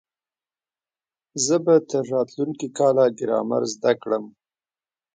زه به تر راتلونکي کاله ګرامر زده کړم.